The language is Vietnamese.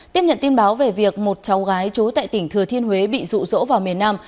tiếp nhận tin báo về việc một cháu gái trú tại tỉnh thừa thiên huế bị rụ rỗ vào miền nam